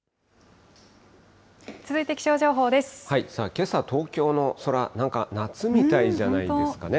けさ、東京の空、なんか夏みたいじゃないですかね。